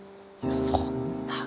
そんなが。